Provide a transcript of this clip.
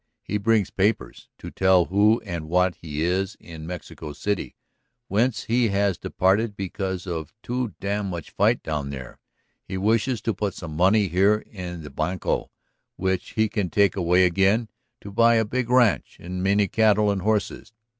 ... He brings papers to tell who and what he is in Mexico City, whence he has departed because of too damn much fight down there; he wishes to put some money here in the banco, which he can take away again to buy a big ranch and many cattle and horses.